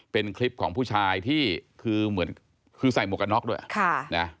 เป็นคลิปของผู้ชายที่คือเหมือนคือใส่หมวกกันน็อกด้วยค่ะนะ